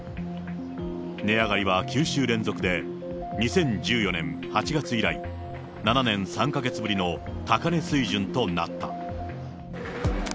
値上がりは９週連続で、２０１４年８月以来、７年３か月ぶりの高値水準となった。